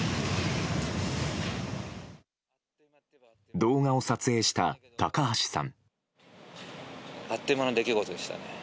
動画を撮影した高橋さん。